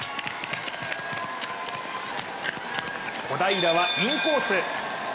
小平はインコース。